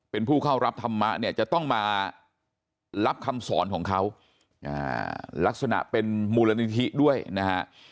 เป็นผู้เข้ารับธรรมะเนี่ยจะต้องมารับคำสอนของเขาลักษณะเป็นมูลนิธิด้วยนะฮะ